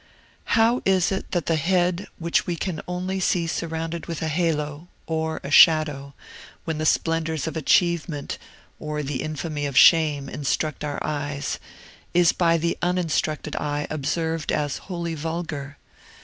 "How is it that the head which we can only see surrounded with a halo, or a shadow, when the splendors of achievement or the infamy of shame instruct our eyes, is by the uninstructed eye observed as wholly vulgar?